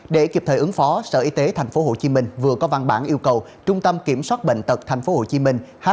để kịp thời ứng phó sở y tế tp hcm vừa có văn bản yêu cầu trung tâm kiểm soát bệnh tật tp hcm